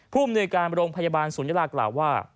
ผู้อำนวยการโมโลมพยาบาลศูนยลากล่าวว่า